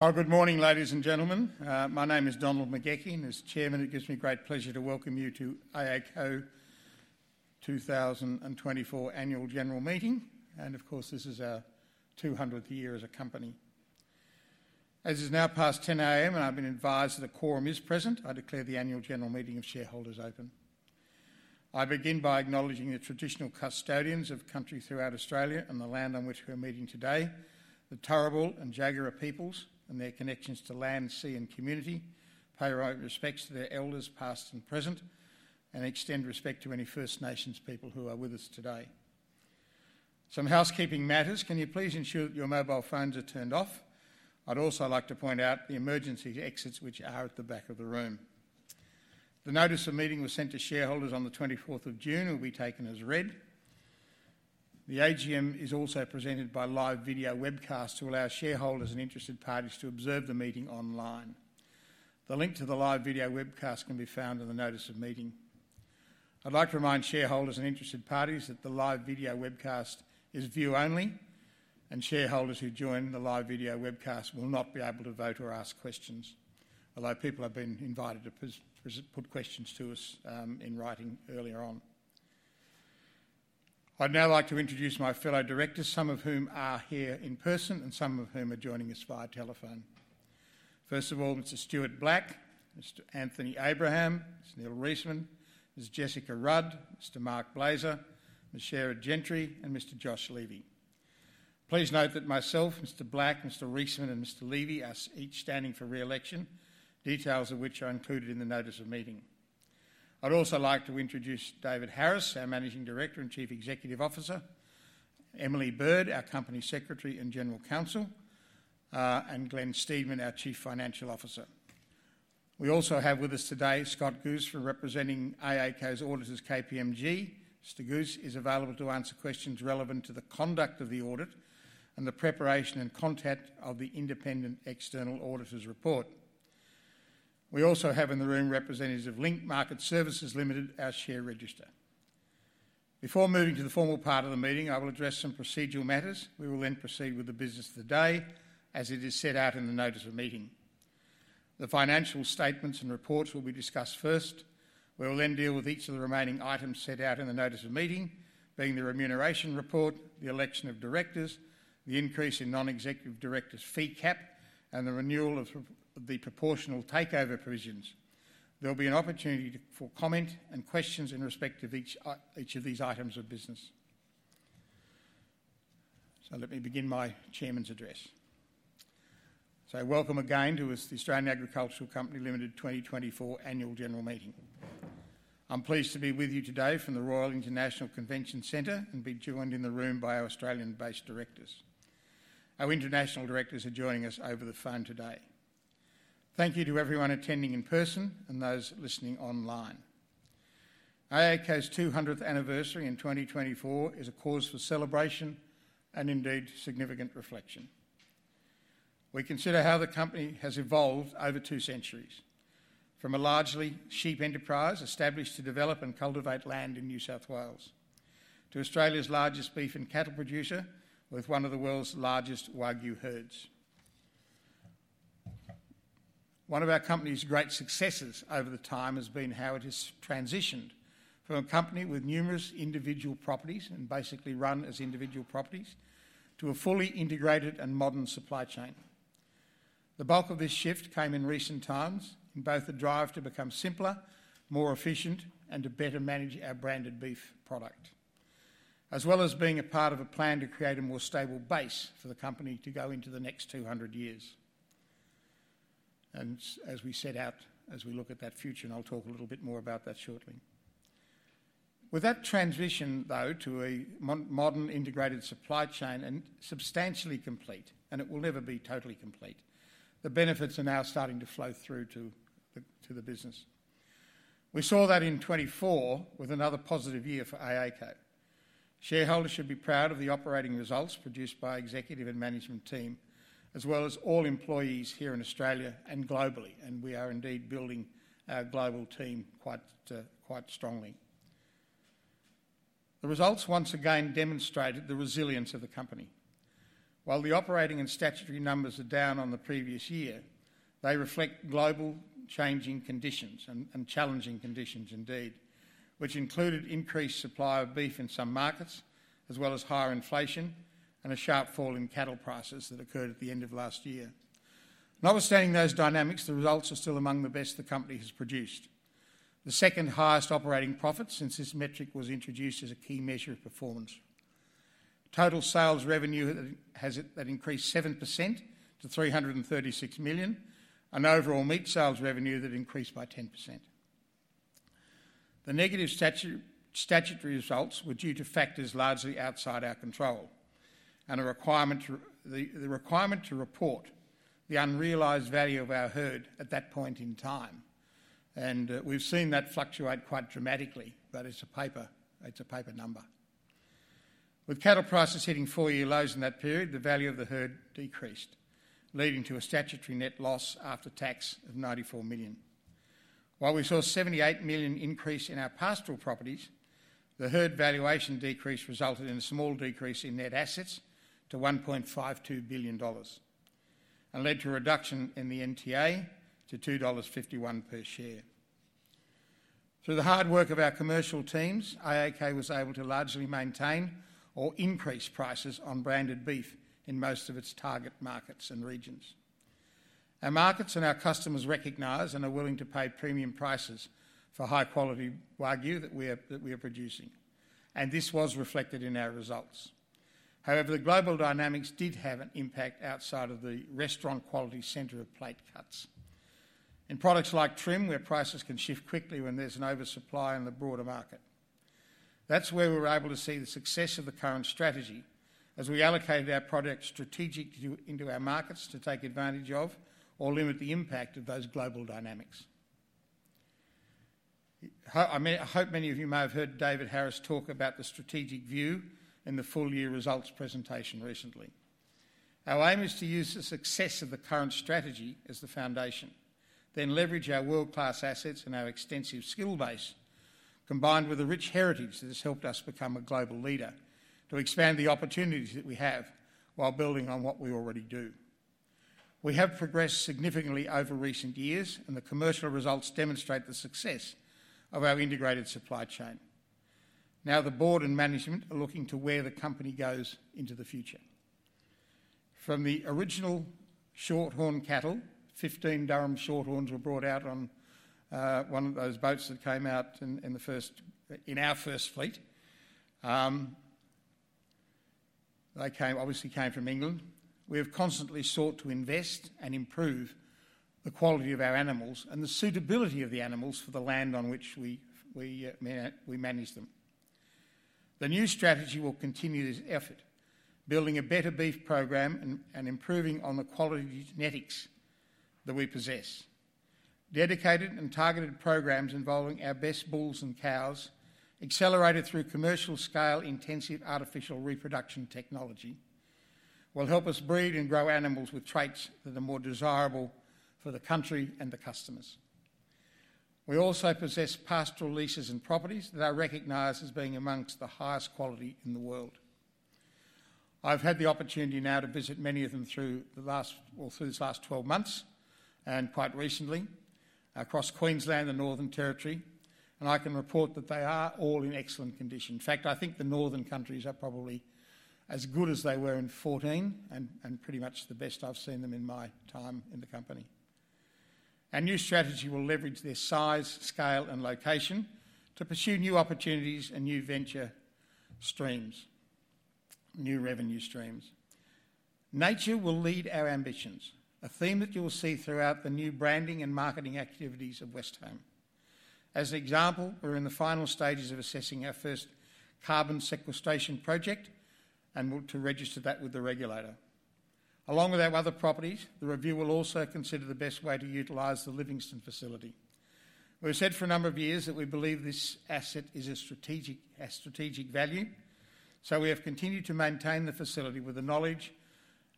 Good morning, ladies and gentlemen. My name is Donald McGauchie, and as Chairman, it gives me great pleasure to welcome you to AACo 2024 Annual General Meeting. And of course, this is our 200th year as a company. As it is now past 10:00 A.M., and I've been advised that the Quorum is present, I declare the Annual General Meeting of Shareholders open. I begin by acknowledging the traditional custodians of country throughout Australia and the land on which we are meeting today, the Turrbal and Jagera peoples, and their connections to land, sea, and community, pay our respects to their elders past and present, and extend respect to any First Nations people who are with us today. Some housekeeping matters. Can you please ensure that your mobile phones are turned off? I'd also like to point out the emergency exits, which are at the back of the room. The notice of meeting was sent to shareholders on the 24th of June and will be taken as read. The AGM is also presented by live video webcast to allow shareholders and interested parties to observe the meeting online. The link to the live video webcast can be found in the notice of meeting. I'd like to remind shareholders and interested parties that the live video webcast is view-only, and shareholders who join the live video webcast will not be able to vote or ask questions, although people have been invited to put questions to us in writing earlier on. I'd now like to introduce my fellow directors, some of whom are here in person and some of whom are joining us via telephone. First of all, Mr. Stuart Black, Mr. Anthony Abraham, Mr. Neil Reisman, Ms. Jessica Rudd, Mr. Marc Blazer, Ms. Sarah Gentry, and Mr. Josh Levy. Please note that myself, Mr. Black, Mr. Reisman, and Mr. Levy are each standing for re-election, details of which are included in the notice of meeting. I'd also like to introduce David Harris, our Managing Director and Chief Executive Officer; Emily Bird, our Company Secretary and General Counsel; and Glen Steedman, our Chief Financial Officer. We also have with us today Scott Guse from KPMG, representing AACo's auditors. Mr. Guse is available to answer questions relevant to the conduct of the audit and the preparation and content of the independent external auditor's report. We also have in the room representatives of Link Market Services Limited, our share register. Before moving to the formal part of the meeting, I will address some procedural matters. We will then proceed with the business of the day as it is set out in the notice of meeting. The financial statements and reports will be discussed first. We will then deal with each of the remaining items set out in the notice of meeting, being the remuneration report, the election of directors, the increase in non-executive directors' fee cap, and the renewal of the proportional takeover provisions. There will be an opportunity for comment and questions in respect of each of these items of business. Let me begin my Chairman's address. Welcome again to the Australian Agricultural Company Limited 2024 Annual General Meeting. I'm pleased to be with you today from the Royal International Convention Centre and be joined in the room by our Australian-based directors. Our international directors are joining us over the phone today. Thank you to everyone attending in person and those listening online. AACo's 200th anniversary in 2024 is a cause for celebration and indeed significant reflection. We consider how the company has evolved over two centuries, from a largely sheep enterprise established to develop and cultivate land in New South Wales, to Australia's largest beef and cattle producer with one of the world's largest Wagyu herds. One of our company's great successes over the time has been how it has transitioned from a company with numerous individual properties and basically run as individual properties to a fully integrated and modern supply chain. The bulk of this shift came in recent times in both a drive to become simpler, more efficient, and to better manage our branded beef product, as well as being a part of a plan to create a more stable base for the company to go into the next 200 years. As we set out, as we look at that future, and I'll talk a little bit more about that shortly. With that transition, though, to a modern integrated supply chain and substantially complete, and it will never be totally complete, the benefits are now starting to flow through to the business. We saw that in 2024 with another positive year for AACo. Shareholders should be proud of the operating results produced by our executive and management team, as well as all employees here in Australia and globally, and we are indeed building our global team quite strongly. The results once again demonstrated the resilience of the company. While the operating and statutory numbers are down on the previous year, they reflect global changing conditions and challenging conditions indeed, which included increased supply of beef in some markets, as well as higher inflation and a sharp fall in cattle prices that occurred at the end of last year. Notwithstanding those dynamics, the results are still among the best the company has produced, the second highest operating profit since this metric was introduced as a key measure of performance. Total sales revenue has increased 7% to 336 million, and overall meat sales revenue that increased by 10%. The negative statutory results were due to factors largely outside our control and a requirement to report the unrealized value of our herd at that point in time. We've seen that fluctuate quite dramatically, but it's a paper number. With cattle prices hitting four-year lows in that period, the value of the herd decreased, leading to a statutory net loss after tax of 94 million. While we saw an 78 million increase in our pastoral properties, the herd valuation decrease resulted in a small decrease in net assets to 1.52 billion dollars and led to a reduction in the NTA to 2.51 dollars per share. Through the hard work of our commercial teams, AACo was able to largely maintain or increase prices on branded beef in most of its target markets and regions. Our markets and our customers recognize and are willing to pay premium prices for high-quality Wagyu that we are producing, and this was reflected in our results. However, the global dynamics did have an impact outside of the restaurant-quality center of plate cuts in products like trim, where prices can shift quickly when there's an oversupply in the broader market. That's where we were able to see the success of the current strategy as we allocated our project strategically into our markets to take advantage of or limit the impact of those global dynamics. I hope many of you may have heard David Harris talk about the strategic view in the full-year results presentation recently. Our aim is to use the success of the current strategy as the foundation, then leverage our world-class assets and our extensive skill base, combined with a rich heritage that has helped us become a global leader, to expand the opportunities that we have while building on what we already do. We have progressed significantly over recent years, and the commercial results demonstrate the success of our integrated supply chain. Now the board and management are looking to where the company goes into the future. From the original Shorthorn cattle, 15 Durham Shorthorns were brought out on one of those boats that came out in our first fleet. They obviously came from England. We have constantly sought to invest and improve the quality of our animals and the suitability of the animals for the land on which we manage them. The new strategy will continue this effort, building a better beef program and improving on the quality genetics that we possess. Dedicated and targeted programs involving our best bulls and cows, accelerated through commercial-scale intensive artificial reproduction technology, will help us breed and grow animals with traits that are more desirable for the country and the customers. We also possess pastoral leases and properties that are recognized as being among the highest quality in the world. I've had the opportunity now to visit many of them through this last 12 months and quite recently across Queensland and Northern Territory, and I can report that they are all in excellent condition. In fact, I think the northern countries are probably as good as they were in 2014 and pretty much the best I've seen them in my time in the company. Our new strategy will leverage their size, scale, and location to pursue new opportunities and new venture streams, new revenue streams. Nature will lead our ambitions, a theme that you will see throughout the new branding and marketing activities of Westholme. As an example, we're in the final stages of assessing our first carbon sequestration project and want to register that with the regulator. Along with our other properties, the review will also consider the best way to utilize the Livingstone facility. We've said for a number of years that we believe this asset is a strategic value, so we have continued to maintain the facility with the knowledge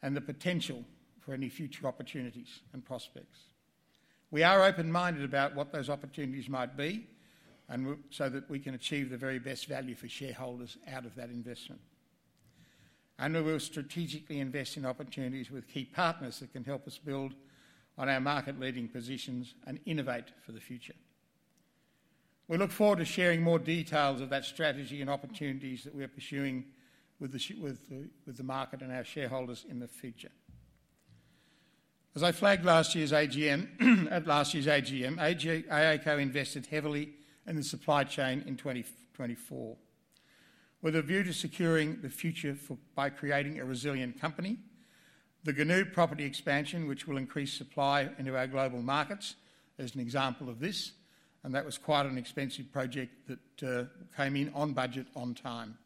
and the potential for any future opportunities and prospects. We are open-minded about what those opportunities might be so that we can achieve the very best value for shareholders out of that investment. We will strategically invest in opportunities with key partners that can help us build on our market-leading positions and innovate for the future. We look forward to sharing more details of that strategy and opportunities that we are pursuing with the market and our shareholders in the future. As I flagged last year's AGM, AACo invested heavily in the supply chain in 2024 with a view to securing the future by creating a resilient company, the Goonoo property expansion, which will increase supply into our global markets, is an example of this. That was quite an expensive project that came in on budget on time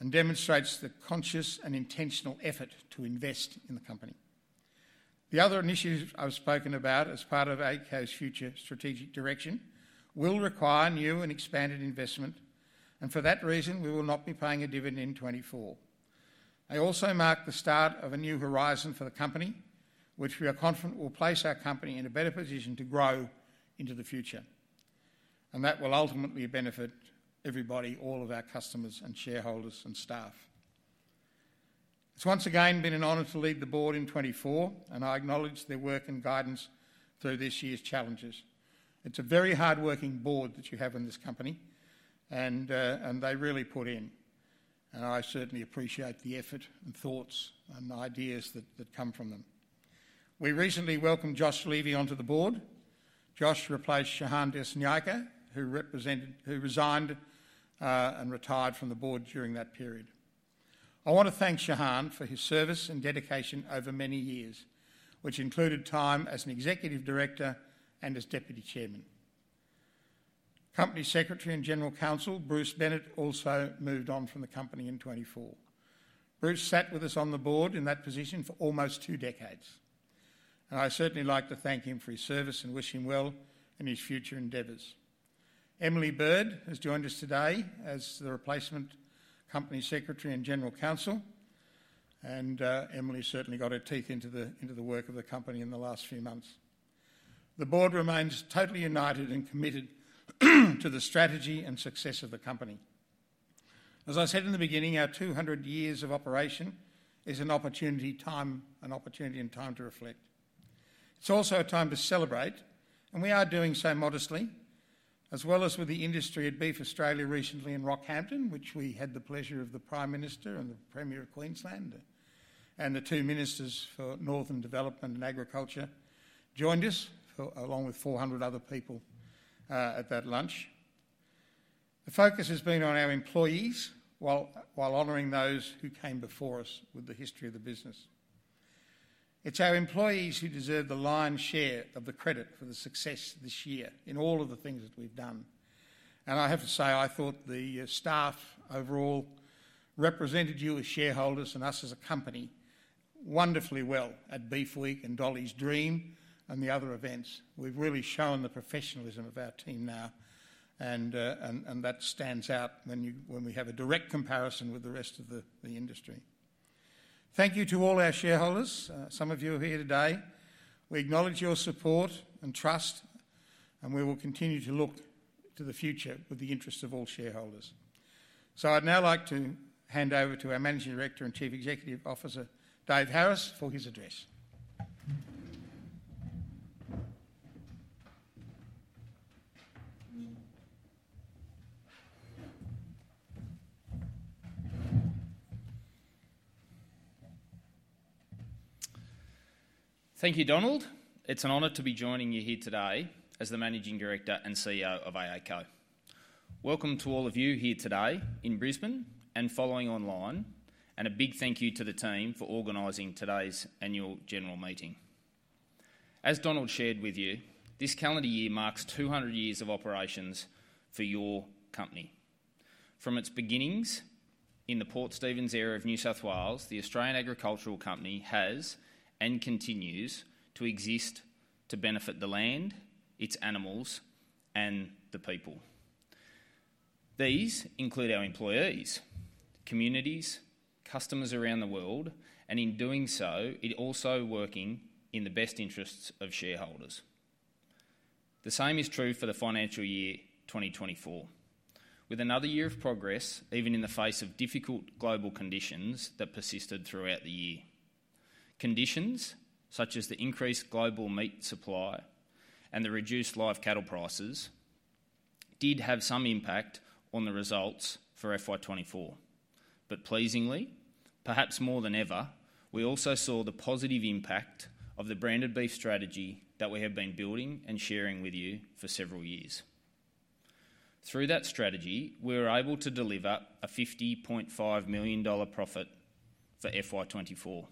and demonstrates the conscious and intentional effort to invest in the company. The other initiatives I've spoken about as part of AACo's future strategic direction will require new and expanded investment, and for that reason, we will not be paying a dividend in 2024. They also mark the start of a new horizon for the company, which we are confident will place our company in a better position to grow into the future. That will ultimately benefit everybody, all of our customers and shareholders and staff. It's once again been an honor to lead the board in 2024, and I acknowledge their work and guidance through this year's challenges. It's a very hardworking board that you have in this company, and they really put in. I certainly appreciate the effort and thoughts and ideas that come from them. We recently welcomed Josh Levy onto the board. Josh replaced Shehan Dissanayake, who resigned and retired from the board during that period. I want to thank Shehan for his service and dedication over many years, which included time as an executive director and as deputy chairman. Company Secretary and General Counsel Bruce Bennett also moved on from the company in 2024. Bruce sat with us on the board in that position for almost two decades, and I certainly like to thank him for his service and wish him well in his future endeavors. Emily Bird has joined us today as the replacement Company Secretary and General Counsel, and Emily certainly got her teeth into the work of the company in the last few months. The board remains totally united and committed to the strategy and success of the company. As I said in the beginning, our 200 years of operation is an opportunity and time to reflect. It's also a time to celebrate, and we are doing so modestly, as well as with the industry at Beef Australia recently in Rockhampton, which we had the pleasure of the Prime Minister and the Premier of Queensland and the two ministers for Northern Development and Agriculture joined us along with 400 other people at that lunch. The focus has been on our employees while honoring those who came before us with the history of the business. It's our employees who deserve the lion's share of the credit for the success this year in all of the things that we've done. And I have to say, I thought the staff overall represented you, as shareholders and us as a company, wonderfully well at Beef Week and Dolly's Dream and the other events. We've really shown the professionalism of our team now, and that stands out when we have a direct comparison with the rest of the industry. Thank you to all our shareholders. Some of you are here today. We acknowledge your support and trust, and we will continue to look to the future with the interest of all shareholders. So I'd now like to hand over to our Managing Director and Chief Executive Officer, Dave Harris, for his address. Thank you, Donald. It's an honor to be joining you here today as the Managing Director and CEO of AACo. Welcome to all of you here today in Brisbane and following online, and a big thank you to the team for organizing today's Annual General Meeting. As Donald shared with you, this calendar year marks 200 years of operations for your company. From its beginnings in the Port Stephens area of New South Wales, the Australian Agricultural Company has and continues to exist to benefit the land, its animals, and the people. These include our employees, communities, customers around the world, and in doing so, it also working in the best interests of shareholders. The same is true for the financial year 2024, with another year of progress even in the face of difficult global conditions that persisted throughout the year. Conditions such as the increased global meat supply and the reduced live cattle prices did have some impact on the results for FY 2024. But pleasingly, perhaps more than ever, we also saw the positive impact of the branded beef strategy that we have been building and sharing with you for several years. Through that strategy, we were able to deliver a 50.5 million dollar profit for FY 2024.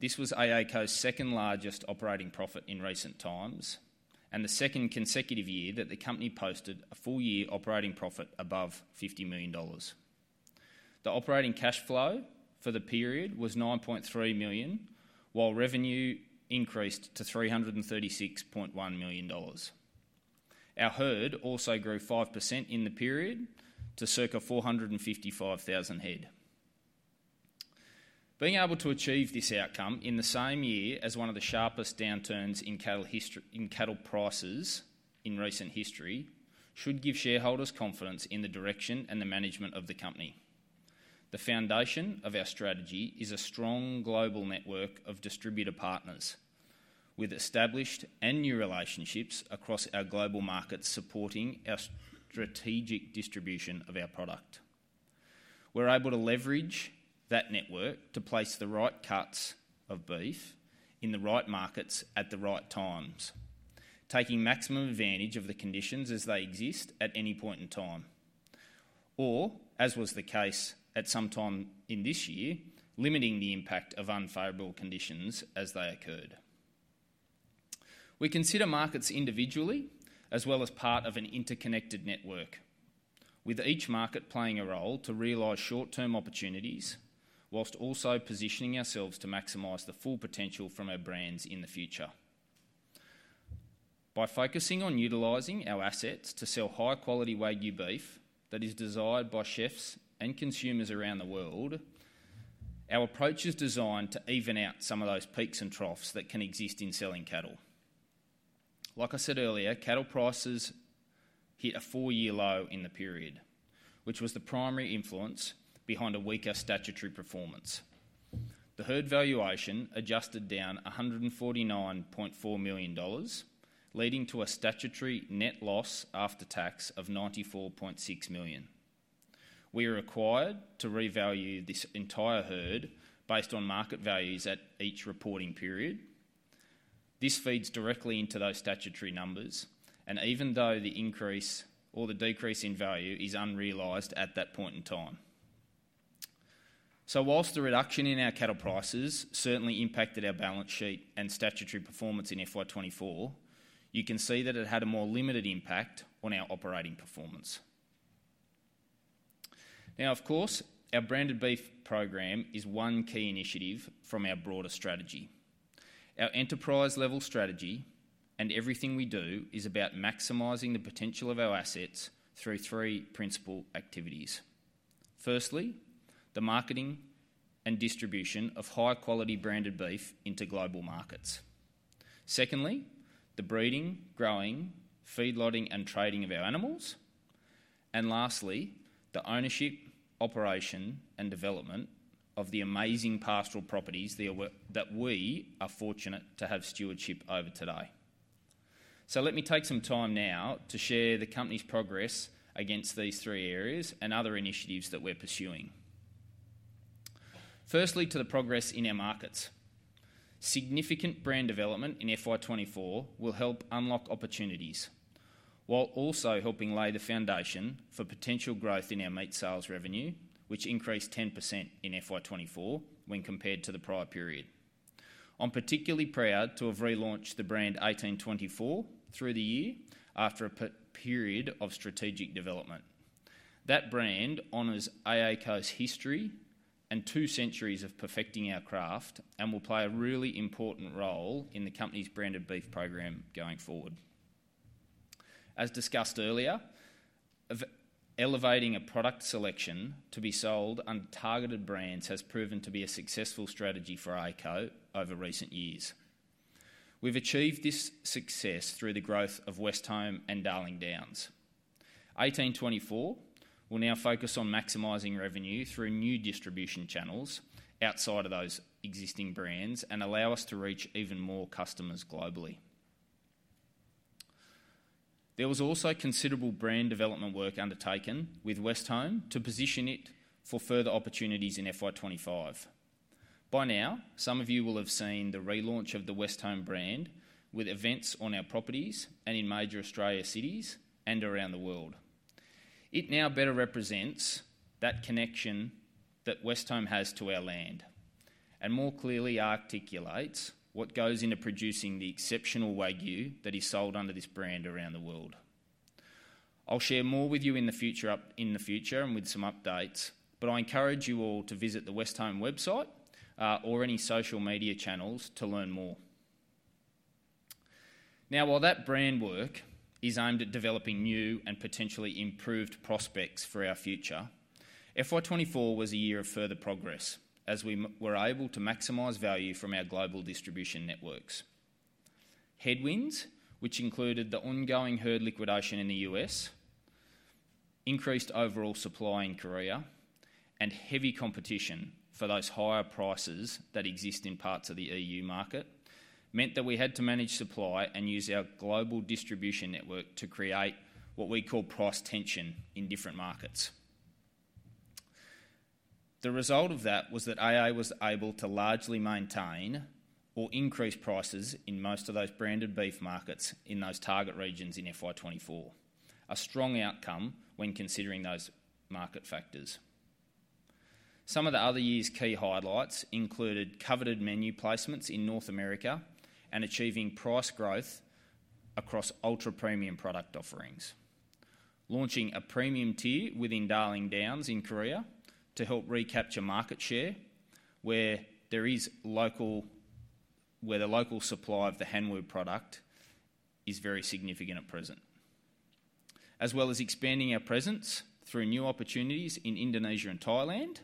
This was AACo's second largest operating profit in recent times and the second consecutive year that the company posted a full-year operating profit above 50 million dollars. The operating cash flow for the period was 9.3 million, while revenue increased to 336.1 million dollars. Our herd also grew 5% in the period to circa 455,000 head. Being able to achieve this outcome in the same year as one of the sharpest downturns in cattle prices in recent history should give shareholders confidence in the direction and the management of the company. The foundation of our strategy is a strong global network of distributor partners with established and new relationships across our global markets supporting our strategic distribution of our product. We're able to leverage that network to place the right cuts of beef in the right markets at the right times, taking maximum advantage of the conditions as they exist at any point in time, or, as was the case at some time in this year, limiting the impact of unfavorable conditions as they occurred. We consider markets individually as well as part of an interconnected network, with each market playing a role to realize short-term opportunities while also positioning ourselves to maximize the full potential from our brands in the future. By focusing on utilizing our assets to sell high-quality Wagyu beef that is desired by chefs and consumers around the world, our approach is designed to even out some of those peaks and troughs that can exist in selling cattle. Like I said earlier, cattle prices hit a four-year low in the period, which was the primary influence behind a weaker statutory performance. The herd valuation adjusted down 149.4 million dollars, leading to a statutory net loss after tax of 94.6 million. We are required to revalue this entire herd based on market values at each reporting period. This feeds directly into those statutory numbers, and even though the increase or the decrease in value is unrealized at that point in time. So whilst the reduction in our cattle prices certainly impacted our balance sheet and statutory performance in FY 2024, you can see that it had a more limited impact on our operating performance. Now, of course, our branded beef program is one key initiative from our broader strategy. Our enterprise-level strategy and everything we do is about maximizing the potential of our assets through three principal activities. Firstly, the marketing and distribution of high-quality branded beef into global markets. Secondly, the breeding, growing, feedlotting, and trading of our animals. And lastly, the ownership, operation, and development of the amazing pastoral properties that we are fortunate to have stewardship over today. So let me take some time now to share the company's progress against these three areas and other initiatives that we're pursuing. Firstly, to the progress in our markets. Significant brand development in FY 2024 will help unlock opportunities while also helping lay the foundation for potential growth in our meat sales revenue, which increased 10% in FY 2024 when compared to the prior period. I'm particularly proud to have relaunched the brand 1824 through the year after a period of strategic development. That brand honors AACo's history and two centuries of perfecting our craft and will play a really important role in the company's branded beef program going forward. As discussed earlier, elevating a product selection to be sold under targeted brands has proven to be a successful strategy for AACo over recent years. We've achieved this success through the growth of Westholme and Darling Downs. 1824 will now focus on maximizing revenue through new distribution channels outside of those existing brands and allow us to reach even more customers globally. There was also considerable brand development work undertaken with Westholme to position it for further opportunities in FY 2025. By now, some of you will have seen the relaunch of the Westholme brand with events on our properties and in major Australian cities and around the world. It now better represents that connection that Westholme has to our land and more clearly articulates what goes into producing the exceptional Wagyu that is sold under this brand around the world. I'll share more with you in the future and with some updates, but I encourage you all to visit the Westholme website or any social media channels to learn more. Now, while that brand work is aimed at developing new and potentially improved prospects for our future, FY 2024 was a year of further progress as we were able to maximize value from our global distribution networks. Headwinds, which included the ongoing herd liquidation in the U.S., increased overall supply in Korea, and heavy competition for those higher prices that exist in parts of the EU market meant that we had to manage supply and use our global distribution network to create what we call price tension in different markets. The result of that was that AACo was able to largely maintain or increase prices in most of those branded beef markets in those target regions in FY 2024, a strong outcome when considering those market factors. Some of the other year's key highlights included coveted menu placements in North America and achieving price growth across ultra-premium product offerings, launching a premium tier within Darling Downs in Korea to help recapture market share where the local supply of the Hanwoo product is very significant at present, as well as expanding our presence through new opportunities in Indonesia and Thailand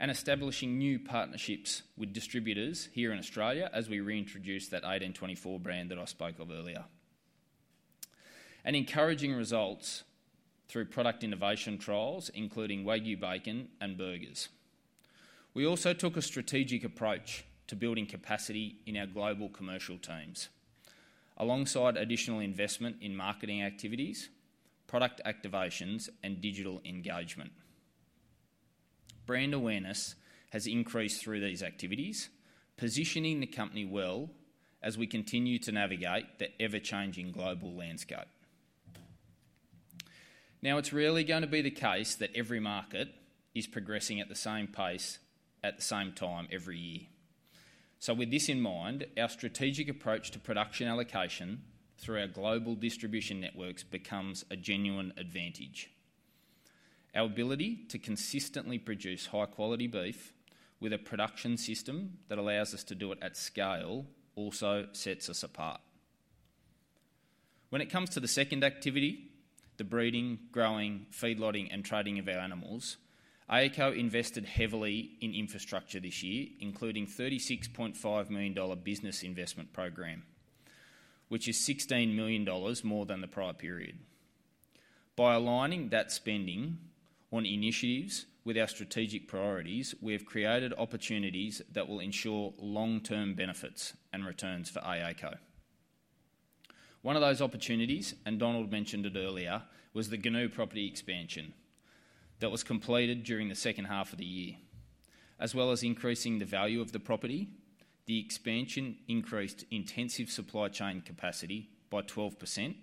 and establishing new partnerships with distributors here in Australia as we reintroduced that 1824 brand that I spoke of earlier, and encouraging results through product innovation trials, including Wagyu bacon and burgers. We also took a strategic approach to building capacity in our global commercial teams alongside additional investment in marketing activities, product activations, and digital engagement. Brand awareness has increased through these activities, positioning the company well as we continue to navigate the ever-changing global landscape. Now, it's really going to be the case that every market is progressing at the same pace at the same time every year. So with this in mind, our strategic approach to production allocation through our global distribution networks becomes a genuine advantage. Our ability to consistently produce high-quality beef with a production system that allows us to do it at scale also sets us apart. When it comes to the second activity, the breeding, growing, feedlotting, and trading of our animals, AACo invested heavily in infrastructure this year, including a 36.5 million dollar business investment program, which is 16 million dollars more than the prior period. By aligning that spending on initiatives with our strategic priorities, we have created opportunities that will ensure long-term benefits and returns for AACo. One of those opportunities, and Donald mentioned it earlier, was the Goonoo property expansion that was completed during the second half of the year, as well as increasing the value of the property. The expansion increased intensive supply chain capacity by 12%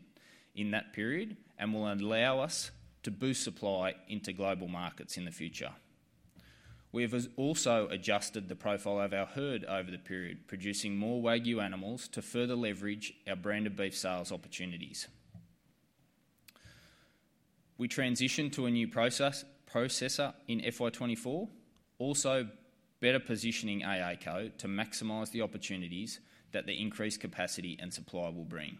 in that period and will allow us to boost supply into global markets in the future. We have also adjusted the profile of our herd over the period, producing more Wagyu animals to further leverage our branded beef sales opportunities. We transitioned to a new processor in FY 2024, also better positioning AACo to maximize the opportunities that the increased capacity and supply will bring.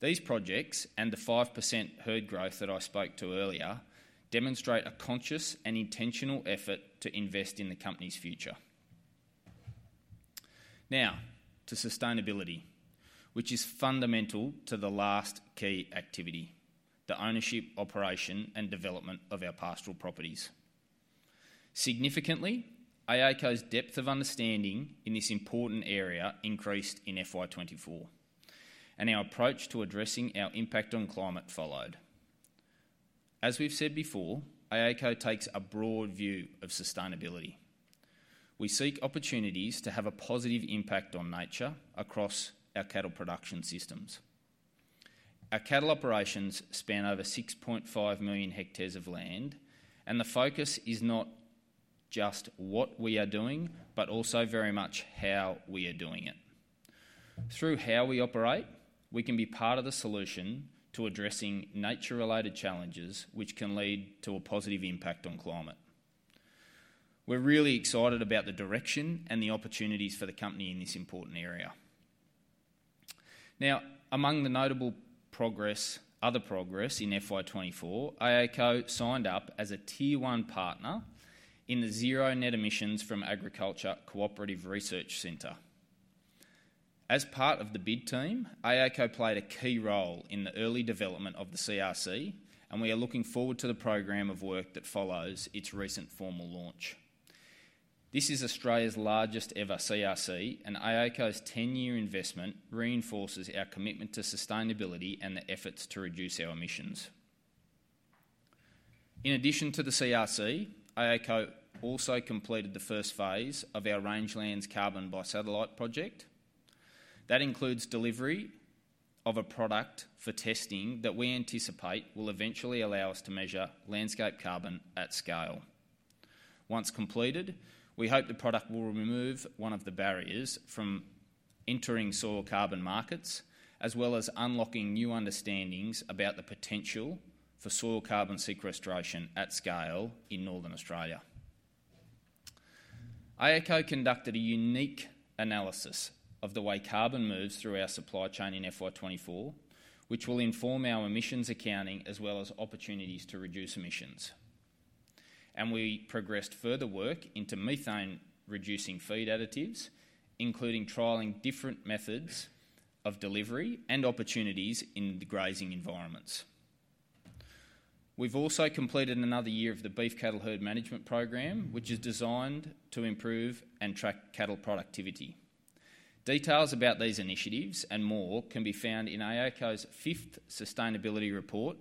These projects and the 5% herd growth that I spoke to earlier demonstrate a conscious and intentional effort to invest in the company's future. Now, to sustainability, which is fundamental to the last key activity, the ownership, operation, and development of our pastoral properties. Significantly, AACo's depth of understanding in this important area increased in FY 2024, and our approach to addressing our impact on climate followed. As we've said before, AACo takes a broad view of sustainability. We seek opportunities to have a positive impact on nature across our cattle production systems. Our cattle operations span over 6.5 million hectares of land, and the focus is not just what we are doing, but also very much how we are doing it. Through how we operate, we can be part of the solution to addressing nature-related challenges, which can lead to a positive impact on climate. We're really excited about the direction and the opportunities for the company in this important area. Now, among the notable other progress in FY 2024, AACo signed up as a Tier 1 partner in the Zero Net Emissions from Agriculture Cooperative Research Centre. As part of the bid team, AACo played a key role in the early development of the CRC, and we are looking forward to the program of work that follows its recent formal launch. This is Australia's largest ever CRC, and AACo's 10-year investment reinforces our commitment to sustainability and the efforts to reduce our emissions. In addition to the CRC, AACo also completed the first phase of our Rangelands Carbon by Satellite project. That includes delivery of a product for testing that we anticipate will eventually allow us to measure landscape carbon at scale. Once completed, we hope the product will remove one of the barriers from entering soil carbon markets, as well as unlocking new understandings about the potential for soil carbon sequestration at scale in Northern Australia. AACo conducted a unique analysis of the way carbon moves through our supply chain in FY 2024, which will inform our emissions accounting as well as opportunities to reduce emissions. We progressed further work into methane-reducing feed additives, including trialing different methods of delivery and opportunities in the grazing environments. We've also completed another year of the Beef Cattle Herd Management Program, which is designed to improve and track cattle productivity. Details about these initiatives and more can be found in AACo's fifth sustainability report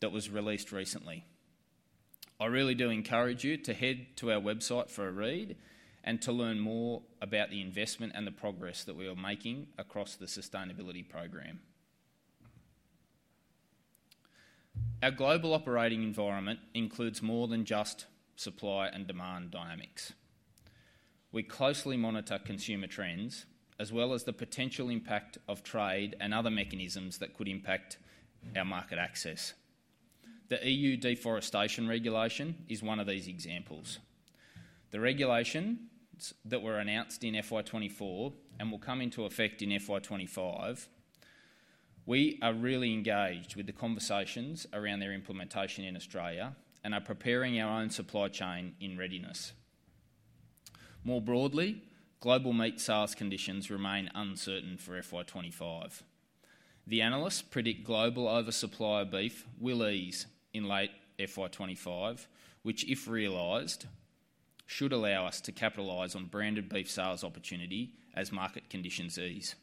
that was released recently. I really do encourage you to head to our website for a read and to learn more about the investment and the progress that we are making across the sustainability program. Our global operating environment includes more than just supply and demand dynamics. We closely monitor consumer trends as well as the potential impact of trade and other mechanisms that could impact our market access. The EU Deforestation Regulation is one of these examples. The regulations that were announced in FY 2024 and will come into effect in FY 2025, we are really engaged with the conversations around their implementation in Australia and are preparing our own supply chain in readiness. More broadly, global meat sales conditions remain uncertain for FY 2025. The analysts predict global oversupply of beef will ease in late FY 2025, which, if realized, should allow us to capitalize on branded beef sales opportunity as market conditions ease.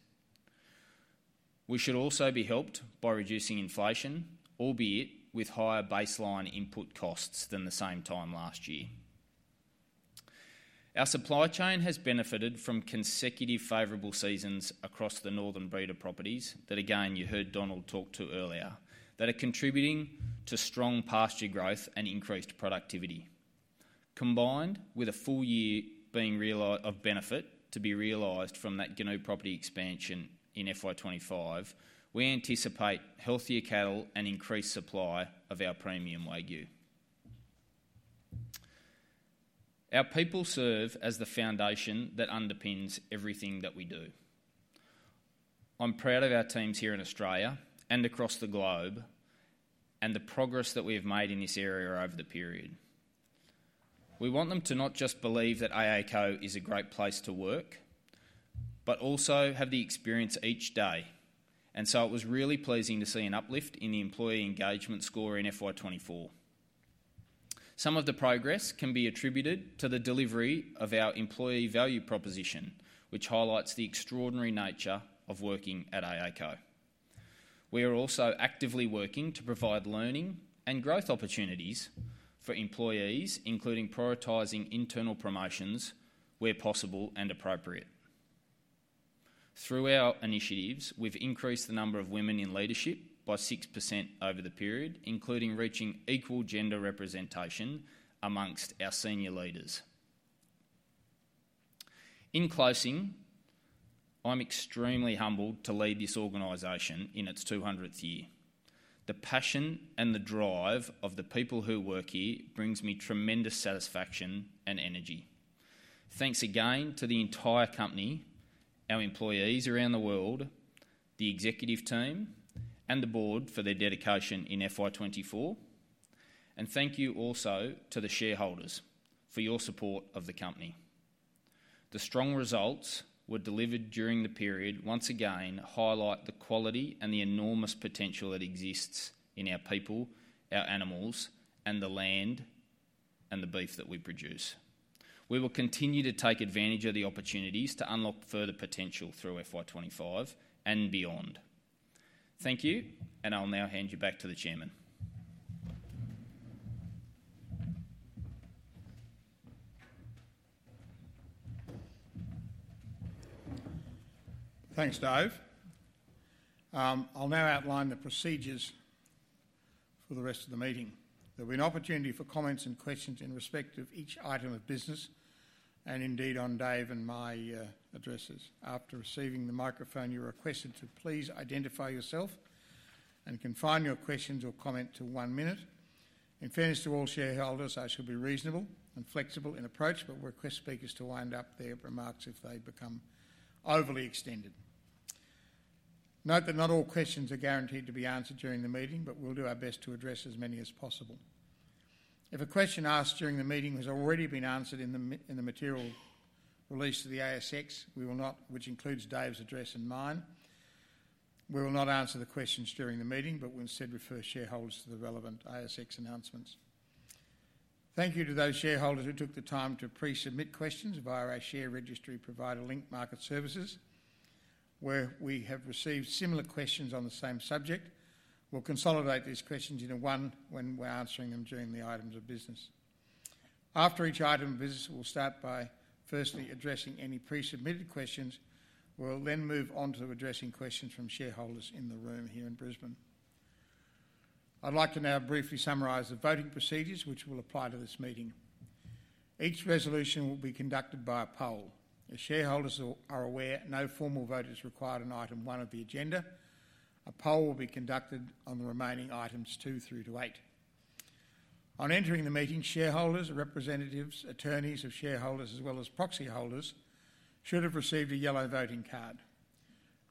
We should also be helped by reducing inflation, albeit with higher baseline input costs than the same time last year. Our supply chain has benefited from consecutive favorable seasons across the northern breeder properties that, again, you heard Donald talk to earlier, that are contributing to strong pasture growth and increased productivity. Combined with a full year being of benefit to be realized from that Goonoo property expansion in FY 2025, we anticipate healthier cattle and increased supply of our premium Wagyu. Our people serve as the foundation that underpins everything that we do. I'm proud of our teams here in Australia and across the globe and the progress that we have made in this area over the period. We want them to not just believe that AACo is a great place to work, but also have the experience each day. And so it was really pleasing to see an uplift in the employee engagement score in FY 2024. Some of the progress can be attributed to the delivery of our employee value proposition, which highlights the extraordinary nature of working at AACo. We are also actively working to provide learning and growth opportunities for employees, including prioritizing internal promotions where possible and appropriate. Through our initiatives, we've increased the number of women in leadership by 6% over the period, including reaching equal gender representation among our senior leaders. In closing, I'm extremely humbled to lead this organization in its 200th year. The passion and the drive of the people who work here brings me tremendous satisfaction and energy. Thanks again to the entire company, our employees around the world, the executive team, and the board for their dedication in FY 2024. Thank you also to the shareholders for your support of the company. The strong results we're delivering during the period once again highlight the quality and the enormous potential that exists in our people, our animals, and the land and the beef that we produce. We will continue to take advantage of the opportunities to unlock further potential through FY 2025 and beyond. Thank you, and I'll now hand you back to the chairman. Thanks, Dave. I'll now outline the procedures for the rest of the meeting. There'll be an opportunity for comments and questions in respect of each item of business, and indeed on Dave and my addresses. After receiving the microphone, you're requested to please identify yourself and confine your questions or comment to one minute. In fairness to all shareholders, I shall be reasonable and flexible in approach, but request speakers to wind up their remarks if they become overly extended. Note that not all questions are guaranteed to be answered during the meeting, but we'll do our best to address as many as possible. If a question asked during the meeting has already been answered in the material released to the ASX, which includes Dave's address and mine, we will not answer the questions during the meeting, but we'll instead refer shareholders to the relevant ASX announcements. Thank you to those shareholders who took the time to pre-submit questions via our share registry provider, Link Market Services, where we have received similar questions on the same subject. We'll consolidate these questions into one when we're answering them during the items of business. After each item of business, we'll start by firstly addressing any pre-submitted questions. We'll then move on to addressing questions from shareholders in the room here in Brisbane. I'd like to now briefly summarize the voting procedures which will apply to this meeting. Each resolution will be conducted by a poll. As shareholders are aware, no formal voters require an item 1 of the agenda. A poll will be conducted on the remaining items 2 through to 8. On entering the meeting, shareholders, representatives, attorneys of shareholders, as well as proxy holders, should have received a yellow voting card.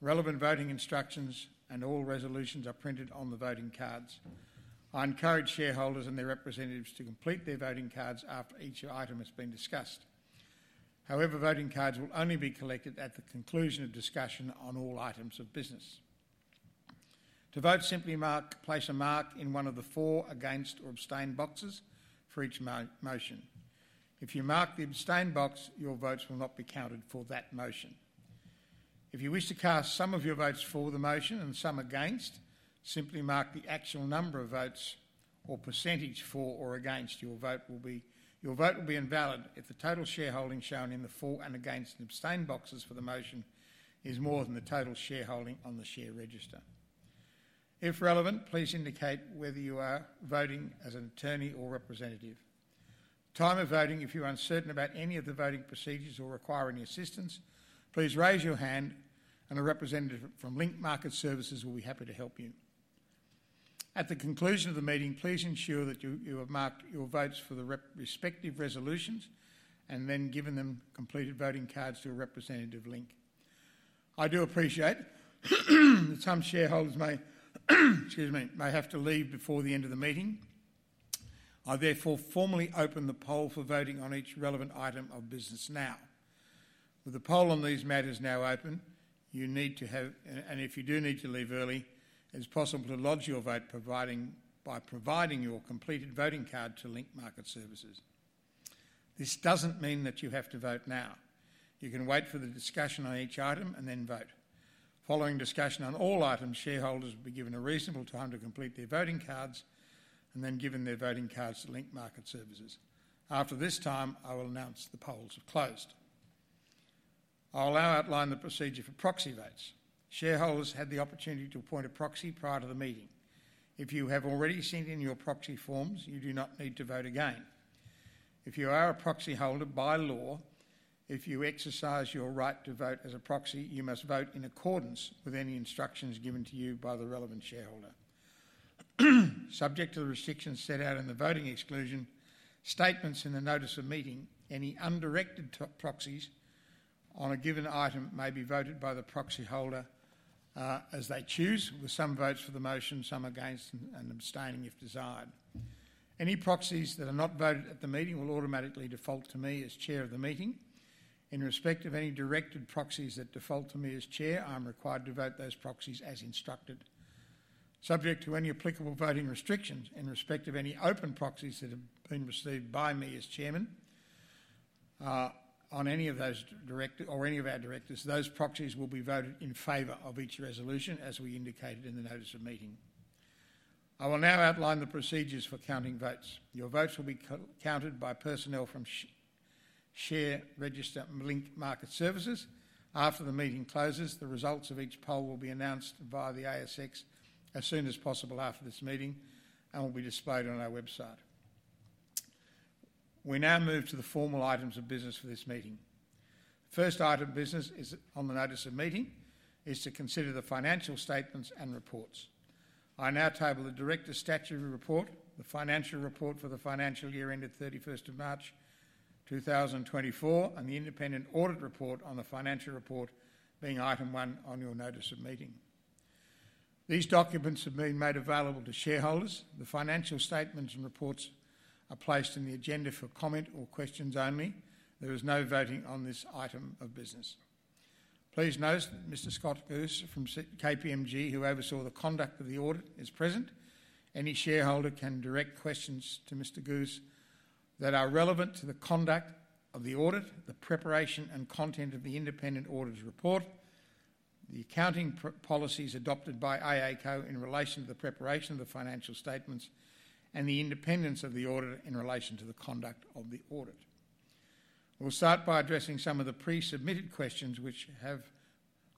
Relevant voting instructions and all resolutions are printed on the voting cards. I encourage shareholders and their representatives to complete their voting cards after each item has been discussed. However, voting cards will only be collected at the conclusion of discussion on all items of business. To vote, simply place a mark in one of the four against or abstain boxes for each motion. If you mark the abstain box, your votes will not be counted for that motion. If you wish to cast some of your votes for the motion and some against, simply mark the actual number of votes or percentage for or against your vote. Your vote will be invalid if the total shareholding shown in the for and against and abstain boxes for the motion is more than the total shareholding on the share register. If relevant, please indicate whether you are voting as an attorney or representative. Time of voting, if you're uncertain about any of the voting procedures or require any assistance, please raise your hand, and a representative from Link Market Services will be happy to help you. At the conclusion of the meeting, please ensure that you have marked your votes for the respective resolutions and then given them completed voting cards to a representative Link. I do appreciate that some shareholders may have to leave before the end of the meeting. I therefore formally open the poll for voting on each relevant item of business now. With the poll on these matters now open, you need to have, and if you do need to leave early, it is possible to lodge your vote by providing your completed voting card to Link Market Services. This doesn't mean that you have to vote now. You can wait for the discussion on each item and then vote. Following discussion on all items, shareholders will be given a reasonable time to complete their voting cards and then given their voting cards to Link Market Services. After this time, I will announce the polls are closed. I'll now outline the procedure for proxy votes. Shareholders had the opportunity to appoint a proxy prior to the meeting. If you have already sent in your proxy forms, you do not need to vote again. If you are a proxy holder by law, if you exercise your right to vote as a proxy, you must vote in accordance with any instructions given to you by the relevant shareholder. Subject to the restrictions set out in the voting exclusion, statements in the notice of meeting, any undirected proxies on a given item may be voted by the proxy holder as they choose, with some votes for the motion, some against, and abstaining if desired. Any proxies that are not voted at the meeting will automatically default to me as chair of the meeting. In respect of any directed proxies that default to me as chair, I'm required to vote those proxies as instructed. Subject to any applicable voting restrictions in respect of any open proxies that have been received by me as chairman on any of those or any of our directors, those proxies will be voted in favor of each resolution as we indicated in the notice of meeting. I will now outline the procedures for counting votes. Your votes will be counted by personnel from Link Market Services. After the meeting closes, the results of each poll will be announced via the ASX as soon as possible after this meeting and will be displayed on our website. We now move to the formal items of business for this meeting. The first item of business on the notice of meeting is to consider the financial statements and reports. I now table the directors' statutory report, the financial report for the financial year ended 31st of March 2024, and the independent audit report on the financial report being item 1 on your notice of meeting. These documents have been made available to shareholders. The financial statements and reports are placed in the agenda for comment or questions only. There is no voting on this item of business. Please note Mr. Scott Guse from KPMG, who oversaw the conduct of the audit, is present. Any shareholder can direct questions to Mr. Guse that are relevant to the conduct of the audit, the preparation and content of the independent auditor's report, the accounting policies adopted by AACo in relation to the preparation of the financial statements, and the independence of the auditor in relation to the conduct of the audit. We'll start by addressing some of the pre-submitted questions which have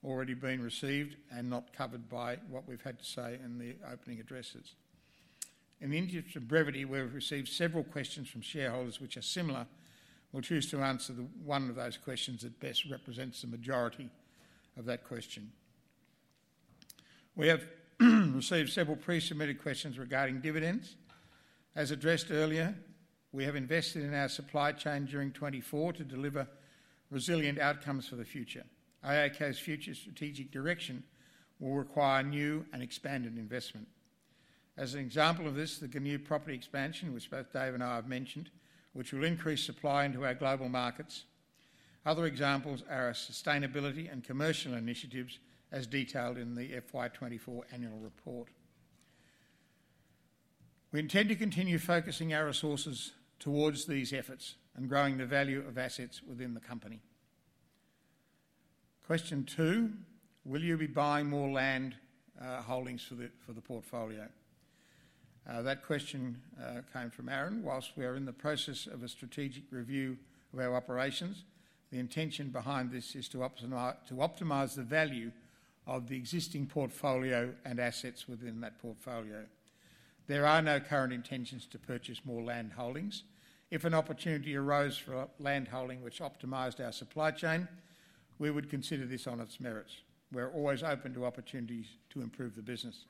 already been received and not covered by what we've had to say in the opening addresses. In the interest of brevity, we've received several questions from shareholders which are similar. We'll choose to answer one of those questions that best represents the majority of that question. We have received several pre-submitted questions regarding dividends. As addressed earlier, we have invested in our supply chain during 2024 to deliver resilient outcomes for the future. AACo's future strategic direction will require new and expanded investment. As an example of this, the Goonoo property expansion, which both Dave and I have mentioned, which will increase supply into our global markets. Other examples are our sustainability and commercial initiatives as detailed in the FY 2024 annual report. We intend to continue focusing our resources towards these efforts and growing the value of assets within the company. Question two, will you be buying more land holdings for the portfolio? That question came from Aaron. While we are in the process of a strategic review of our operations, the intention behind this is to optimize the value of the existing portfolio and assets within that portfolio. There are no current intentions to purchase more land holdings. If an opportunity arose for land holding which optimized our supply chain, we would consider this on its merits. We're always open to opportunities to improve the business.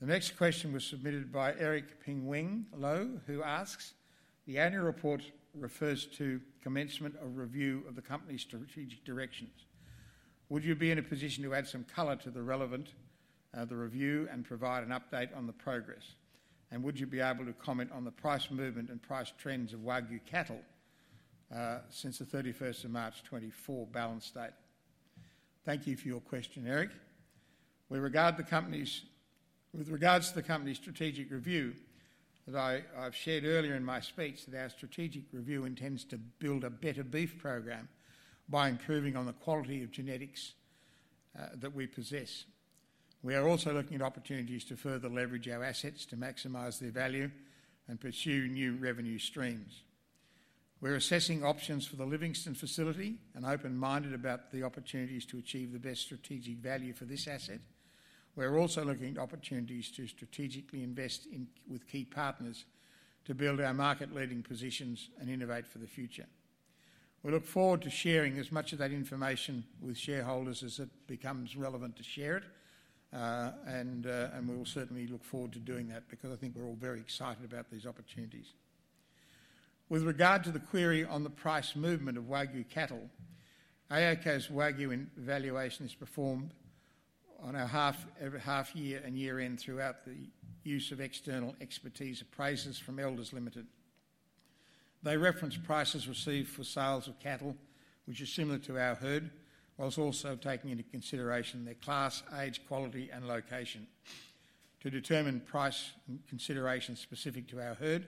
The next question was submitted by Eric Ping Wing Lo, who asks, "The annual report refers to commencement of review of the company's strategic directions. Would you be in a position to add some color to the review and provide an update on the progress? And would you be able to comment on the price movement and price trends of Wagyu cattle since the 31st of March 2024 balance date?" Thank you for your question, Eric. With regard to the company's strategic review that I've shared earlier in my speech, our strategic review intends to build a better beef program by improving on the quality of genetics that we possess. We are also looking at opportunities to further leverage our assets to maximize their value and pursue new revenue streams. We're assessing options for the Livingstone facility and open-minded about the opportunities to achieve the best strategic value for this asset. We're also looking at opportunities to strategically invest with key partners to build our market-leading positions and innovate for the future. We look forward to sharing as much of that information with shareholders as it becomes relevant to share it, and we will certainly look forward to doing that because I think we're all very excited about these opportunities. With regard to the query on the price movement of Wagyu cattle, AACo's Wagyu valuation is performed on our half-year and year-end throughout the use of external expertise appraisals from Elders Limited. They reference prices received for sales of cattle, which is similar to our herd, while also taking into consideration their class, age, quality, and location. To determine price considerations specific to our herd,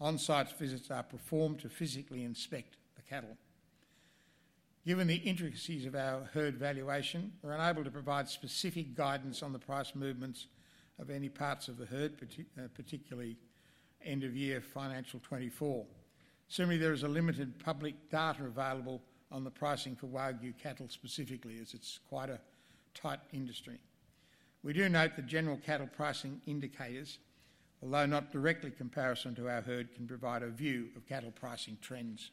on-site visits are performed to physically inspect the cattle. Given the intricacies of our herd valuation, we're unable to provide specific guidance on the price movements of any parts of the herd, particularly end-of-year financial 2024. Certainly, there is a limited public data available on the pricing for Wagyu cattle specifically as it's quite a tight industry. We do note that general cattle pricing indicators, although not directly comparison to our herd, can provide a view of cattle pricing trends.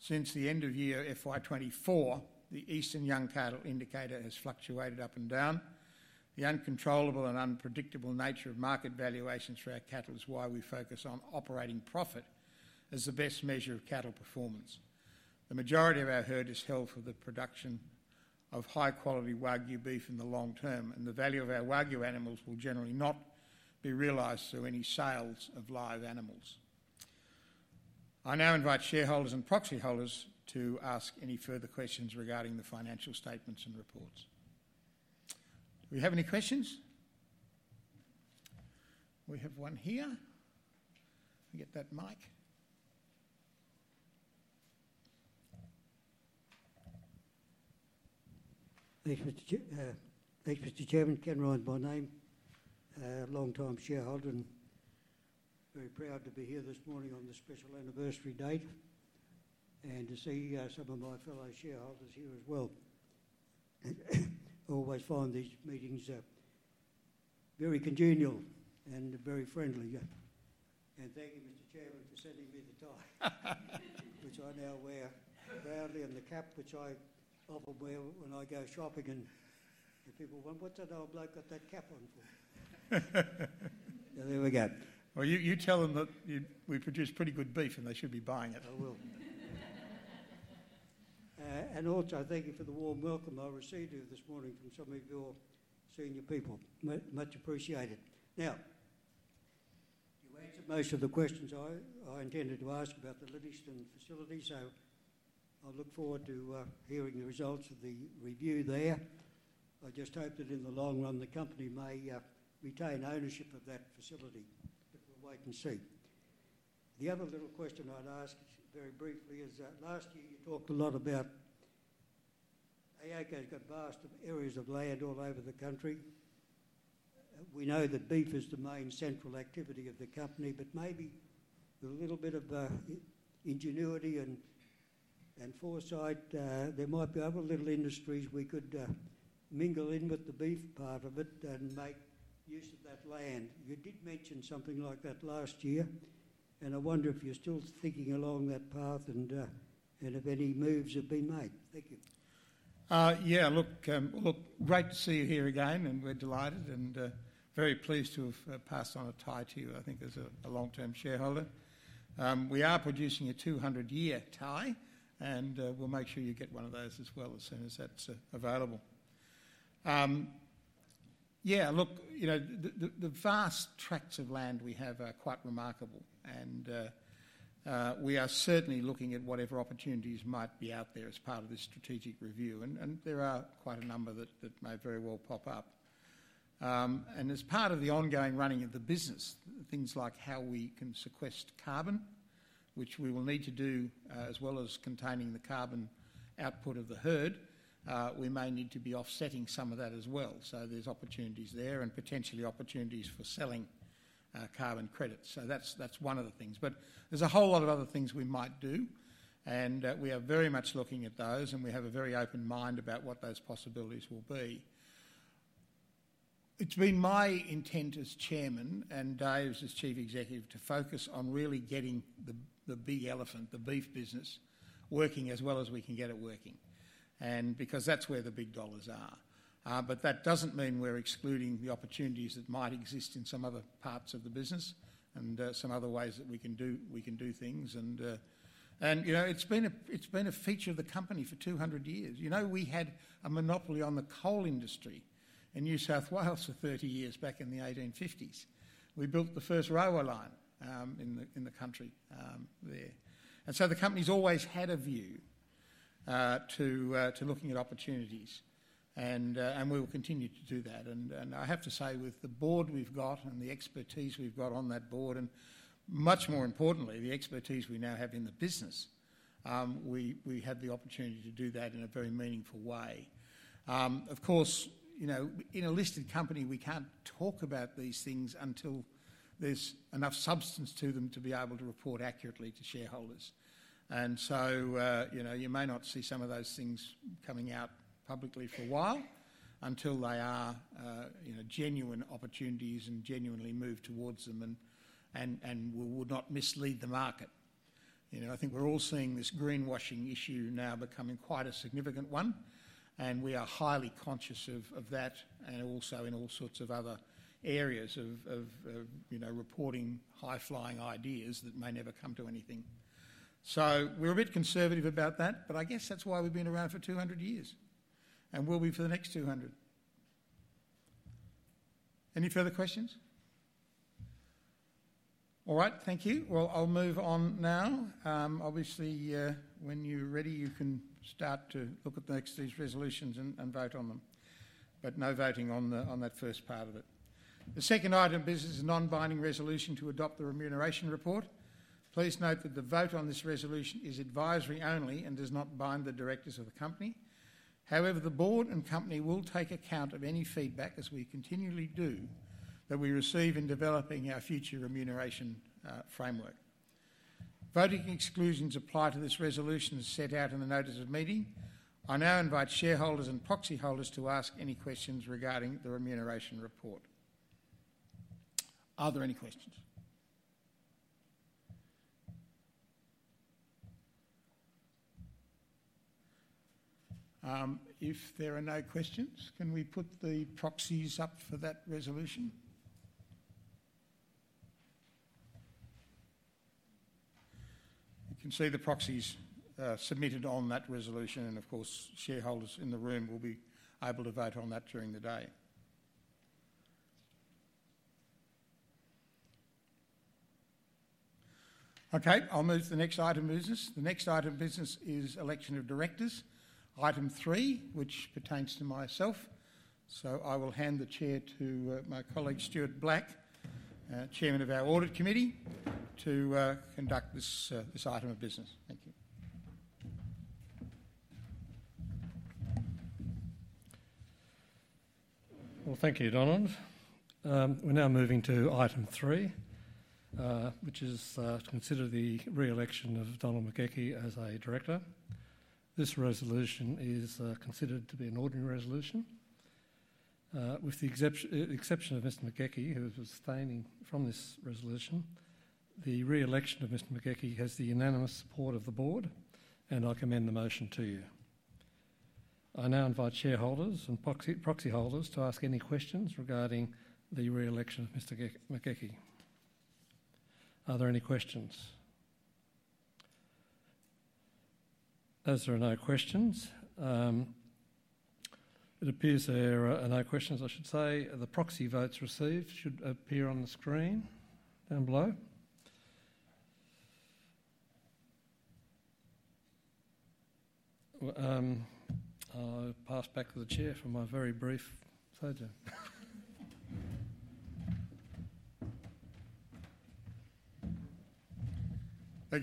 Since the end-of-year FY 2024, the Eastern Young Cattle Indicator has fluctuated up and down. The uncontrollable and unpredictable nature of market valuations for our cattle is why we focus on operating profit as the best measure of cattle performance. The majority of our herd is held for the production of high-quality Wagyu beef in the long term, and the value of our Wagyu animals will generally not be realized through any sales of live animals. I now invite shareholders and proxy holders to ask any further questions regarding the financial statements and reports. Do we have any questions? We have one here. I'll get that mic. Thank you, Mr. Chairman. Ken Ryan by name. Long-time shareholder. Very proud to be here this morning on the special anniversary date and to see some of my fellow shareholders here as well. Always find these meetings very congenial and very friendly. And thank you, Mr. Chairman, for sending me the tie, which I now wear proudly and the cap, which I often wear when I go shopping. And people want, "What's that old bloke got that cap on for?" There we go. Well, you tell them that we produce pretty good beef and they should be buying it. I will. And also, thank you for the warm welcome I received here this morning from some of your senior people. Much appreciated. Now, you answered most of the questions I intended to ask about the Livingstone facility, so I look forward to hearing the results of the review there. I just hope that in the long run, the company may retain ownership of that facility, but we'll wait and see. The other little question I'd ask very briefly is that last year you talked a lot about AACo's got vast areas of land all over the country. We know that beef is the main central activity of the company, but maybe with a little bit of ingenuity and foresight, there might be other little industries we could mingle in with the beef part of it and make use of that land. You did mention something like that last year, and I wonder if you're still thinking along that path and if any moves have been made. Thank you. Yeah, look, great to see you here again, and we're delighted and very pleased to have passed on a tie to you, I think, as a long-term shareholder. We are producing a 200-year tie, and we'll make sure you get one of those as well as soon as that's available. Yeah, look, the vast tracts of land we have are quite remarkable, and we are certainly looking at whatever opportunities might be out there as part of this strategic review, and there are quite a number that may very well pop up. As part of the ongoing running of the business, things like how we can sequester carbon, which we will need to do, as well as containing the carbon output of the herd, we may need to be offsetting some of that as well. So there's opportunities there and potentially opportunities for selling carbon credits. So that's one of the things. But there's a whole lot of other things we might do, and we are very much looking at those, and we have a very open mind about what those possibilities will be. It's been my intent as chairman and Dave's as chief executive to focus on really getting the big elephant, the beef business, working as well as we can get it working, because that's where the big dollars are. But that doesn't mean we're excluding the opportunities that might exist in some other parts of the business and some other ways that we can do things. And it's been a feature of the company for 200 years. We had a monopoly on the coal industry in New South Wales for 30 years back in the 1850s. We built the first railway line in the country there. And so the company's always had a view to looking at opportunities, and we will continue to do that. And I have to say, with the board we've got and the expertise we've got on that board, and much more importantly, the expertise we now have in the business, we have the opportunity to do that in a very meaningful way. Of course, in a listed company, we can't talk about these things until there's enough substance to them to be able to report accurately to shareholders. And so you may not see some of those things coming out publicly for a while until they are genuine opportunities and genuinely move towards them and will not mislead the market. I think we're all seeing this greenwashing issue now becoming quite a significant one, and we are highly conscious of that and also in all sorts of other areas of reporting high-flying ideas that may never come to anything. So we're a bit conservative about that, but I guess that's why we've been around for 200 years and will be for the next 200. Any further questions? All right, thank you. Well, I'll move on now. Obviously, when you're ready, you can start to look at the next resolutions and vote on them, but no voting on that first part of it. The second item of business is a non-binding resolution to adopt the remuneration report. Please note that the vote on this resolution is advisory only and does not bind the directors of the company. However, the board and company will take account of any feedback, as we continually do, that we receive in developing our future remuneration framework. Voting exclusions apply to this resolution as set out in the notice of meeting. I now invite shareholders and proxy holders to ask any questions regarding the remuneration report. Are there any questions? If there are no questions, can we put the proxies up for that resolution? You can see the proxies submitted on that resolution, and of course, shareholders in the room will be able to vote on that during the day. Okay, I'll move to the next item of business. The next item of business is election of directors. Item three, which pertains to myself, so I will hand the chair to my colleague, Stuart Black, chairman of our audit committee, to conduct this item of business. Thank you. Well, thank you, Donald. We're now moving to item 3, which is to consider the re-election of Donald McGauchie as a director. This resolution is considered to be an ordinary resolution. With the exception of Mr. McGauchie, who is abstaining from this resolution, the re-election of Mr. McGauchie has the unanimous support of the board, and I commend the motion to you. I now invite shareholders and proxy holders to ask any questions regarding the re-election of Mr. McGauchie. Are there any questions? As there are no questions, it appears there are no questions, I should say. The proxy votes received should appear on the screen down below. I'll pass back to the chair for my very brief. Thank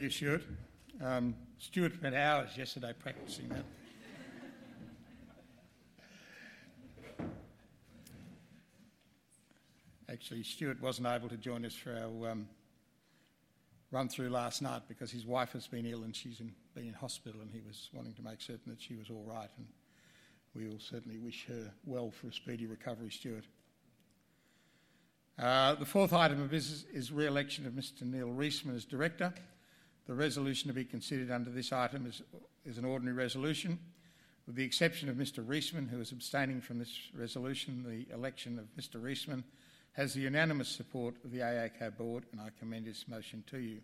you, Stuart. Stuart spent hours yesterday practicing that. Actually, Stuart wasn't able to join us for our run-through last night because his wife has been ill and she's been in hospital, and he was wanting to make certain that she was all right. And we will certainly wish her well for a speedy recovery, Stuart. The fourth item of business is re-election of Mr. Neil Reisman as director. The resolution to be considered under this item is an ordinary resolution. With the exception of Mr. Reisman, who is abstaining from this resolution, the election of Mr. Reisman has the unanimous support of the AACo board, and I commend this motion to you.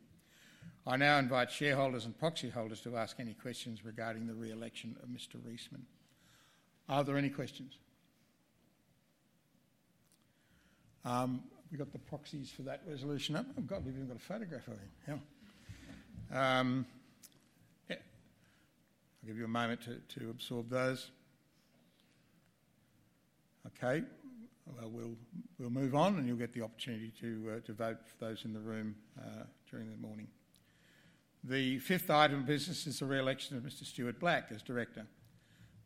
I now invite shareholders and proxy holders to ask any questions regarding the re-election of Mr. Reisman. Are there any questions? We've got the proxies for that resolution. I'm glad we've even got a photograph of him. I'll give you a moment to absorb those. Okay, we'll move on, and you'll get the opportunity to vote for those in the room during the morning. The fifth item of business is the re-election of Mr. Stuart Black as director.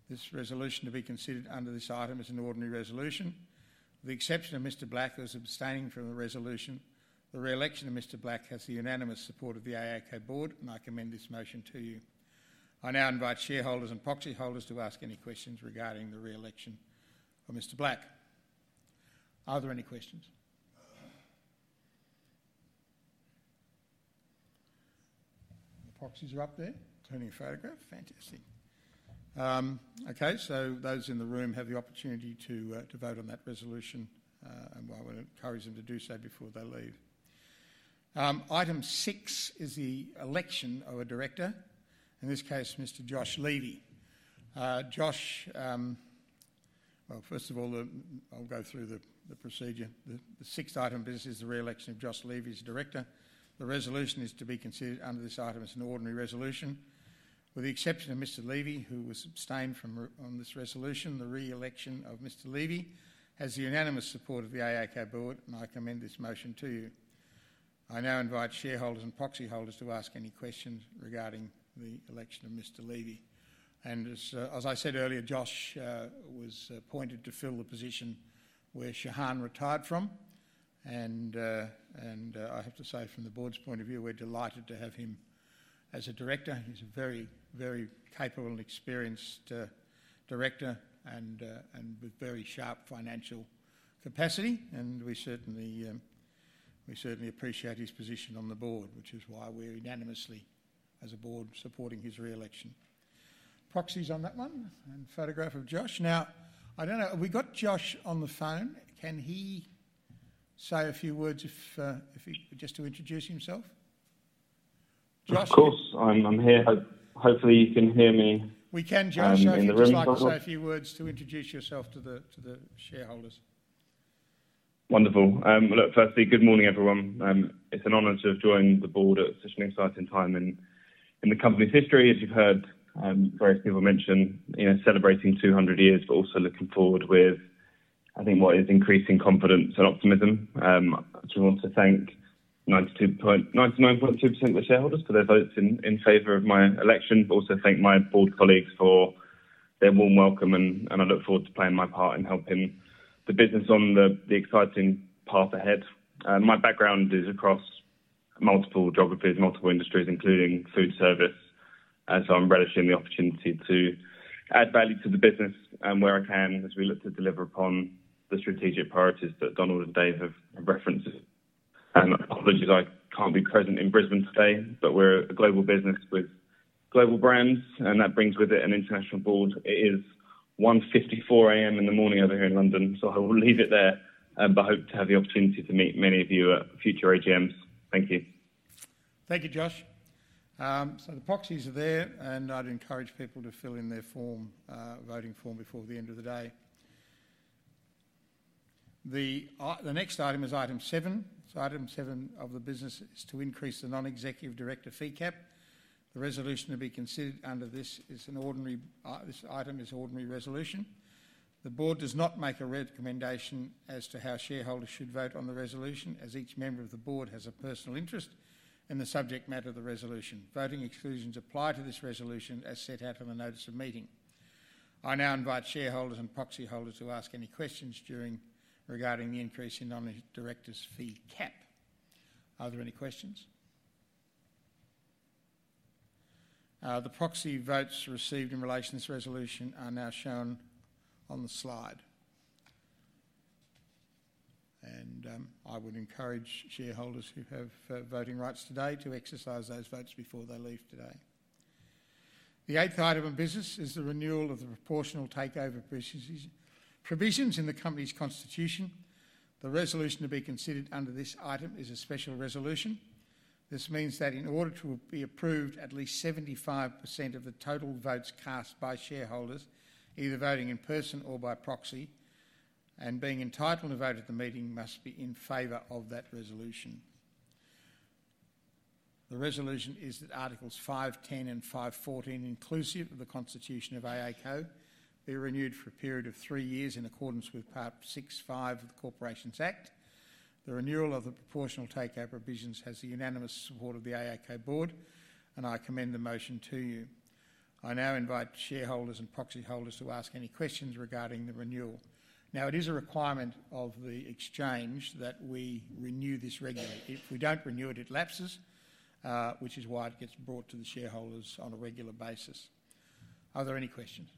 This resolution to be considered under this item is an ordinary resolution. With the exception of Mr. Black, who is abstaining from the resolution, the re-election of Mr. Black has the unanimous support of the AACo board, and I commend this motion to you. I now invite shareholders and proxy holders to ask any questions regarding the re-election of Mr. Black. Are there any questions? The proxies are up there. Turning your photograph. Fantastic. Okay, so those in the room have the opportunity to vote on that resolution, and I will encourage them to do so before they leave. Item 6 is the election of a director, in this case, Mr. Josh Levy. Josh, well, first of all, I'll go through the procedure. The sixth item of business is the re-election of Josh Levy as director. The resolution is to be considered under this item as an ordinary resolution. With the exception of Mr. Levy, who was abstained from this resolution, the re-election of Mr. Levy has the unanimous support of the AACo board, and I commend this motion to you. I now invite shareholders and proxy holders to ask any questions regarding the election of Mr. Levy. As I said earlier, Josh was appointed to fill the position where Shehan retired from. I have to say, from the board's point of view, we're delighted to have him as a director. He's a very, very capable and experienced director and with very sharp financial capacity, and we certainly appreciate his position on the board, which is why we're unanimously, as a board, supporting his re-election. Proxies on that one and photograph of Josh. Now, I don't know, have we got Josh on the phone? Can he say a few words just to introduce himself? Of course, I'm here. Hopefully, you can hear me. We can, Josh. If you'd like to say a few words to introduce yourself to the shareholders. Wonderful. Look, firstly, good morning, everyone. It's an honor to join the board at such an exciting time in the company's history. As you've heard, various people mention celebrating 200 years, but also looking forward with, I think, what is increasing confidence and optimism. I do want to thank 99.2% of the shareholders for their votes in favor of my election, but also thank my board colleagues for their warm welcome, and I look forward to playing my part in helping the business on the exciting path ahead. My background is across multiple geographies, multiple industries, including food service, and so I'm relishing the opportunity to add value to the business where I can as we look to deliver upon the strategic priorities that Donald and Dave have referenced. And apologies, I can't be present in Brisbane today, but we're a global business with global brands, and that brings with it an international board. It is 1:54 A.M. in the morning over here in London, so I will leave it there and hope to have the opportunity to meet many of you at future AGMs. Thank you. Thank you, Josh. So the proxies are there, and I'd encourage people to fill in their voting form before the end of the day. The next item is item 7. So item 7 of the business is to increase the non-executive director fee cap. The resolution to be considered under this is an ordinary resolution. The board does not make a recommendation as to how shareholders should vote on the resolution, as each member of the board has a personal interest in the subject matter of the resolution. Voting exclusions apply to this resolution as set out in the notice of meeting. I now invite shareholders and proxy holders to ask any questions regarding the increase in non-executive directors' fee cap. Are there any questions? The proxy votes received in relation to this resolution are now shown on the slide. I would encourage shareholders who have voting rights today to exercise those votes before they leave today. The eighth item of business is the renewal of the proportional takeover provisions in the company's constitution. The resolution to be considered under this item is a special resolution. This means that in order to be approved, at least 75% of the total votes cast by shareholders, either voting in person or by proxy, and being entitled to vote at the meeting must be in favor of that resolution. The resolution is that Articles 5.10 and 5.14, inclusive of the constitution of AACo, be renewed for a period of three years in accordance with Part 6.5 of the Corporations Act. The renewal of the proportional takeover provisions has the unanimous support of the AACo board, and I commend the motion to you. I now invite shareholders and proxy holders to ask any questions regarding the renewal. Now, it is a requirement of the exchange that we renew this regularly. If we don't renew it, it lapses, which is why it gets brought to the shareholders on a regular basis. Are there any questions?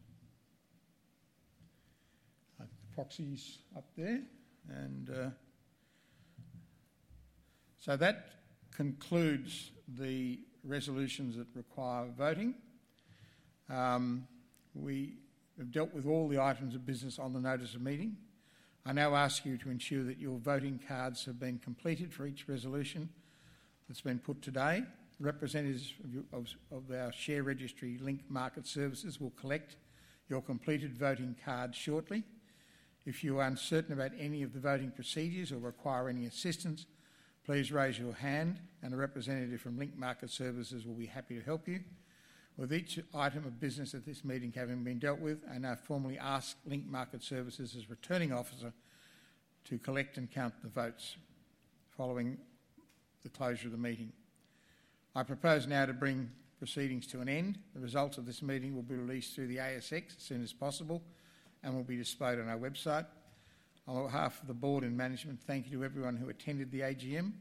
The proxies up there. And so that concludes the resolutions that require voting. We have dealt with all the items of business on the notice of meeting. I now ask you to ensure that your voting cards have been completed for each resolution that's been put today. Representatives of our share registry, Link Market Services, will collect your completed voting cards shortly. If you are uncertain about any of the voting procedures or require any assistance, please raise your hand, and a representative from Link Market Services will be happy to help you. With each item of business at this meeting having been dealt with, I now formally ask Link Market Services' returning officer to collect and count the votes following the closure of the meeting. I propose now to bring proceedings to an end. The results of this meeting will be released through the ASX as soon as possible and will be displayed on our website. On behalf of the board and management, thank you to everyone who attended the AGM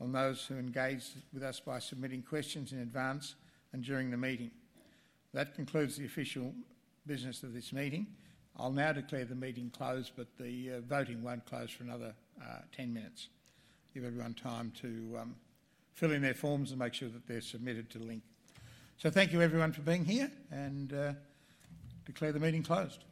and those who engaged with us by submitting questions in advance and during the meeting. That concludes the official business of this meeting. I'll now declare the meeting closed, but the voting won't close for another 10 minutes. Give everyone time to fill in their forms and make sure that they're submitted to Link. So thank you, everyone, for being here, and declare the meeting closed.